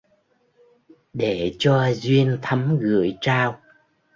Để cho duyên thắm gửi trao